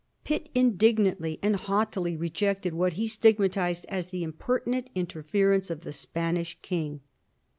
Pitt indignantly and haughtily re jected what he stigmatised as the impertinent interfer ence of the Spanish king.